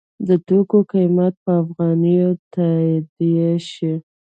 د توکو قیمت په افغانیو تادیه شي.